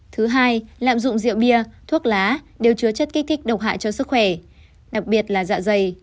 thứ hai lạm dụng rượu bia thuốc lá đều chứa chất kích thích độc hại cho sức khỏe đặc biệt là dạ dày